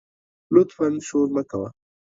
لطفآ شور مه کوه